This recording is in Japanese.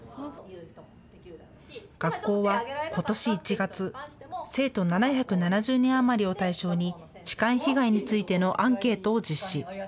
学校はことし１月、生徒７７０人余りを対象に痴漢被害についてのアンケートを実施。